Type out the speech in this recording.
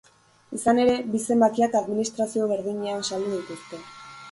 Izan ere, bi zenbakiak administrazio berdinean saldu dituzte.